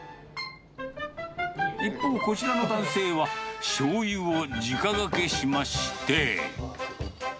一方、こちらの男性はしょうゆをじかがけしまして。